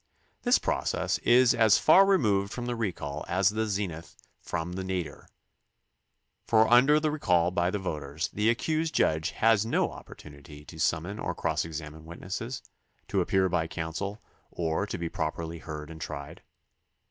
This process is as far removed from the recall as the zenith from the nadir, for under the recall by the voters the accused judge has no opportunity to summon or cross examine witnesses, to appear by counsel, or to be properly heard and tried.